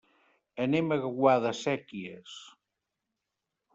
Anem a Guadasséquies.